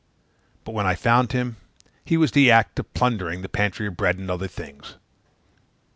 But when I found him, he was in the act of plundering the pantry of bread and other things.